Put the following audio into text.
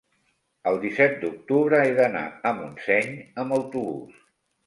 el disset d'octubre he d'anar a Montseny amb autobús.